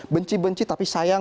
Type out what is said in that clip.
benci benci tapi sayang